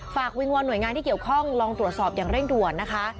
วิงวอนหน่วยงานที่เกี่ยวข้องลองตรวจสอบอย่างเร่งด่วนนะคะ